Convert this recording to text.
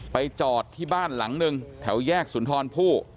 จอดที่บ้านหลังหนึ่งแถวแยกสุนทรผู้